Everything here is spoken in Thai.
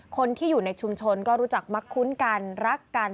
คนที่อยู่ในชุมชนก็รู้จักมักคุ้นกันรักกัน